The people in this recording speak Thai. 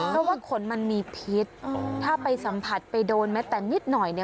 เพราะว่าขนมันมีพิษถ้าไปสัมผัสไปโดนแม้แต่นิดหน่อยเนี่ย